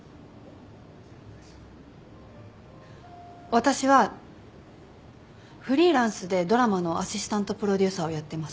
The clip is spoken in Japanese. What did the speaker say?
私はフリーランスでドラマのアシスタントプロデューサーをやってます。